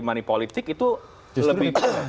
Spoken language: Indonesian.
manipolitik itu lebih